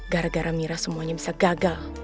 gara gara mira semuanya bisa gagal